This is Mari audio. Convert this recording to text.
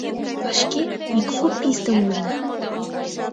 Вашке ме кугу пистым ужна.